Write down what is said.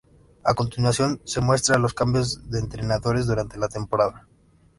A continuación se muestra los cambios de entrenadores durante la temporada.